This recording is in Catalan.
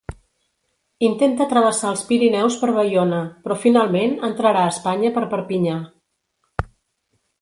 Intenta travessar els Pirineus per Baiona, però finalment entrarà a Espanya per Perpinyà.